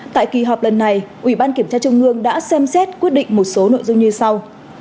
tại kỳ họp lần này ủy ban kiểm tra trung ương đã xem xét quyết định một số nội dung như sau